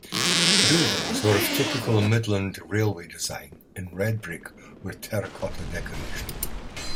Buildings were of typical Midland Railway design in red brick with terracotta decoration.